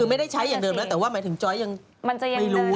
คือไม่ได้ใช้อย่างเดิมแล้วแต่ว่าหมายถึงจ้อยยังไม่รู้